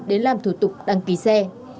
để làm thủ tục đăng ký xe